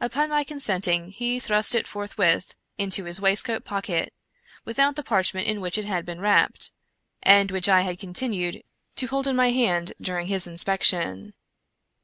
Upon my consenting, he thrust it forthwith into his waistcoat pocket, without the parchment in which it had been wrapped, and which I had continued to hold in my hand during his inspection.